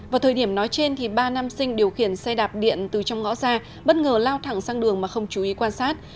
vào thời điểm nói trên ba nam sinh điều khiển xe đạp điện từ trong ngõ ra bất ngờ lao thẳng sang đường mà không chú ý quan sát